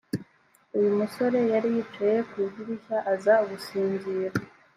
uyu musore yari yicaye ku idirishya aza gusinzira